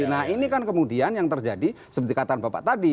nah ini kan kemudian yang terjadi seperti kata bapak tadi